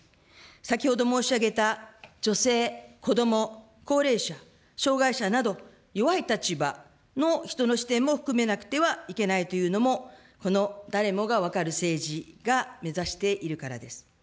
先ほど申し上げた女性、子ども、高齢者、障害者など、弱い立場の人の視点も含めなくてはいけないというのも、この誰もが分かる政治が目指しているからです。